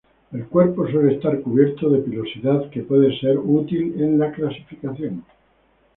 El cuerpo suele estar cubierto de pilosidad que puede ser útil en la clasificación.